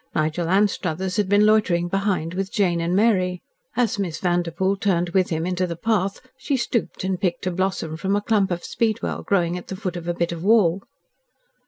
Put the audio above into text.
Nigel Anstruthers had been loitering behind with Jane and Mary. As Miss Vanderpoel turned with him into the path, she stooped and picked a blossom from a clump of speedwell growing at the foot of a bit of wall.